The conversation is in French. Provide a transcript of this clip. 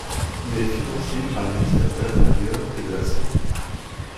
Il est financé par les ministères de l’Intérieur et de la Santé.